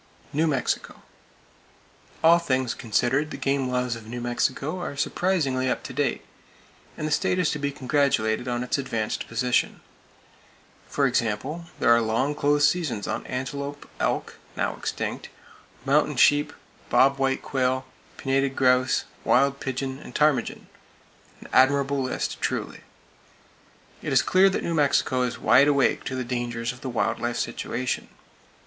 New Mexico: All things considered, the game laws of New Mexico are surprisingly up to date, and the state is to be congratulated on its advanced position. For example, there are long close seasons on antelope, elk (now extinct!), mountain sheep, bob white quail, pinnated grouse, wild pigeon and ptarmigan,—an admirable list, truly. It is clear that New Mexico is wide awake to the dangers of the wild life situation.